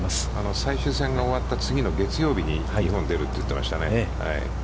最終戦が終わった、次の月曜日に日本を出ると言ってましたね。